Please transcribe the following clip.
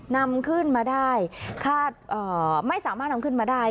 นำขึ้นมาได้คาดไม่สามารถนำขึ้นมาได้